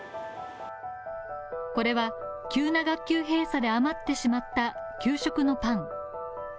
これは急な学級閉鎖で余ってしまった給食のパン。